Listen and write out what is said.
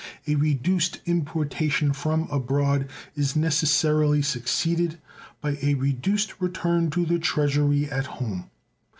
A reduced importation from abroad is necessarily succeeded by a reduced return to the Treasury at home.